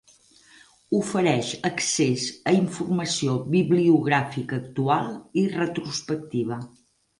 Ofereix accés a informació bibliogràfica actual i retrospectiva.